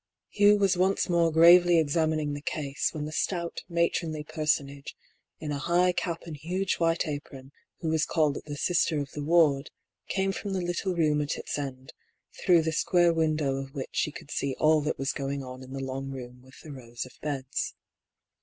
Hugh was once more gravely examining the case, when the stout, matronly personage, in a high cap and huge white apron, who was called the " sister " of the ward, came from the little room at its end, through the square window of which she could see all that was going on in the long room with the rows of beds.